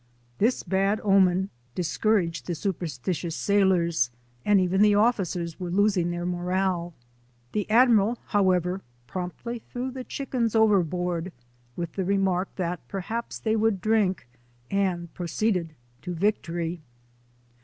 This bad omen discouraged the superstitious sailors, and even the officers were losing their morale. The admiral, however, promptly threw the chickens overboard, with the remark that perhaps they would drink, and proceeded to victory.